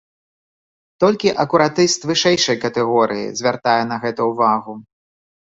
Толькі акуратыст вышэйшай катэгорыі звяртае на гэта ўвагу.